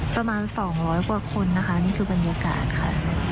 ประมาณ๒๐๐กว่าคนนะคะนี่คือบรรยากาศค่ะ